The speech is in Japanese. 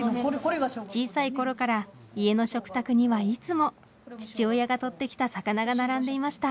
小さい頃から家の食卓にはいつも父親が取ってきた魚が並んでいました。